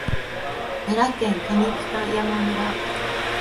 奈良県上北山村